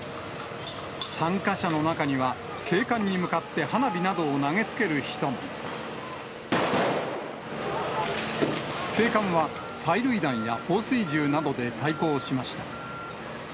参加者の中には、警官に向かって花火などを投げつける人も。警官は、催涙弾や放水銃などで対抗しました。